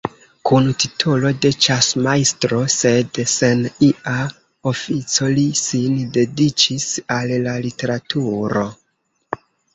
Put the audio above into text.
Kun titolo de ĉasmajstro, sed sen ia ofico, li sin dediĉis al la literaturo.